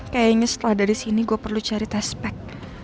kayaknya setelah dari sini gue perlu cari tespek